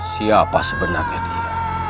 siapa sebenarnya dia